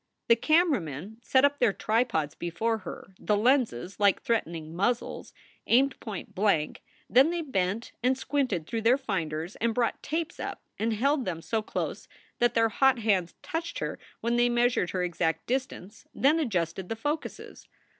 The camera men set up their tripods before her, the lenses, like threatening muzzles, aimed point blank ; then they bent and squinted through their finders, and brought tapes up and held them so close that their hot hands touched her when they measured her exact distance, then adjusted the focuses.